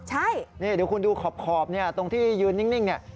เดี๋ยวคุณดูขอบตรงที่ยืนนิ่งเนี่ย